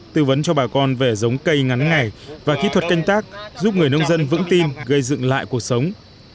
tư vấn cho bà con về giống cây ngắn ngày và kỹ thuật canh tác giúp người nông dân vững tin gây dựng lại cuộc sống